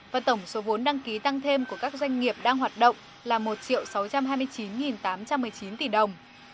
và tổng số vốn đăng ký tăng thêm của các doanh nghiệp đang hoạt động là một sáu trăm hai mươi chín tám trăm một mươi chín tỷ đồng